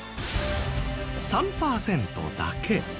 ３パーセントだけ。